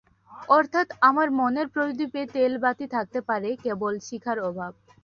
অর্থাৎ আমার মনের প্রদীপে তেল-বাতি থাকতে পারে, কেবল শিখার অভাব।